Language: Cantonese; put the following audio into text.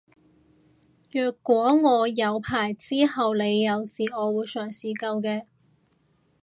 若果我有牌之後你有事我會嘗試救嘅